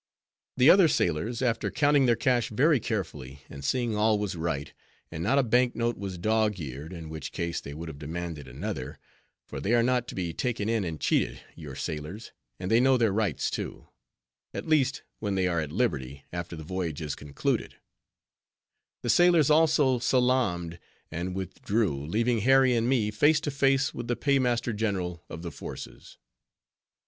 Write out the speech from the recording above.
The other sailors, after counting their cash very carefully, and seeing all was right, and not a bank note was dog eared, in which case they would have demanded another: for they are not to be taken in and cheated, your sailors, and they know their rights, too; at least, when they are at liberty, after the voyage is concluded:— the sailors also salaamed, and withdrew, leaving Harry and me face to face with the Paymaster general of the Forces.